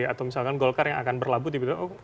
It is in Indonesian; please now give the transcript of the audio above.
atau misalkan golkar yang akan berlabuh